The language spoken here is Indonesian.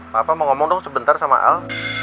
papa mau ngomong dong sebentar sama al